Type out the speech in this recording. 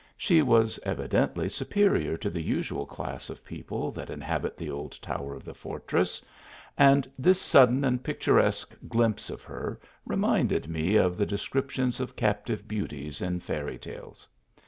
She was evidently superior to the usual class of people that inhabit the old towers of the fortress ; and this sudden and picturesque glimpse of her, reminded me of the descriptions of captive beauties in fairy tales.